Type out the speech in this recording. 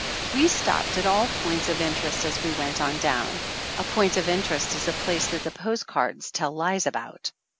We stopped at all the points of interest as we went on down. A point of interest is a place ' that the post cards tell lies about.